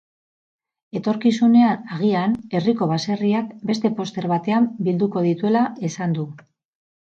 Etorkizunean, agian, herriko baserriak beste poster batean bilduko dituela esan du.